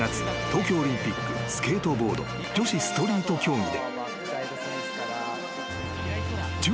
東京オリンピックスケートボード女子ストリート競技で］